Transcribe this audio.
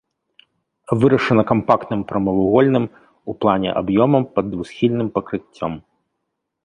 Вырашана кампактным прамавугольным у плане аб'ёмам пад двухсхільным пакрыццём.